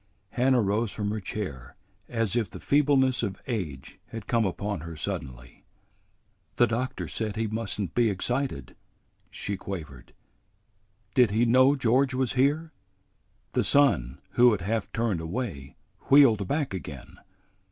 Hannah rose from her chair as if the feebleness of age had come upon her suddenly. "The doctor said he must n't be excited," she quavered. "Did he know George was here?" The son, who had half turned away, wheeled back again.